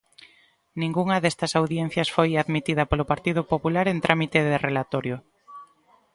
Ningunha destas audiencias foi admitida polo Partido Popular en trámite de relatorio.